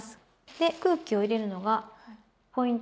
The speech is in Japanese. で空気を入れるのがポイントになります。